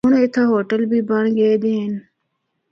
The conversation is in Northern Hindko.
ہونڑ اِتھا ہوٹل بھی بنڑ گئے دے ہن۔